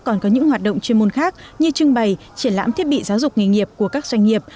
còn có những hoạt động chuyên môn khác như trưng bày triển lãm thiết bị giáo dục nghề nghiệp của các doanh nghiệp